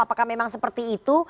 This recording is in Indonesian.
apakah memang seperti itu